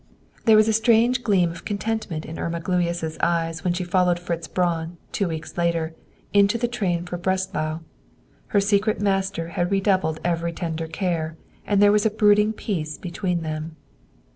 There was a strange gleam of contentment in Irma Gluyas' eyes when she followed Fritz Braun, two weeks later, into the train for Breslau. Her secret master had redoubled every tender care, and there was a brooding peace between them.